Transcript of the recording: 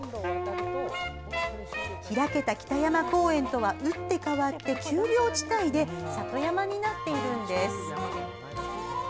開けた北山公園とは打って変わって丘陵地帯で里山になっているんです。